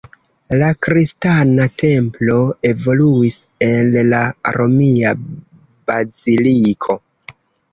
La kristana templo evoluis el la romia baziliko.